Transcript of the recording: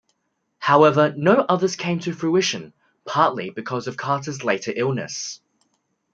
However, no others came to fruition, partly because of Carter's later illness.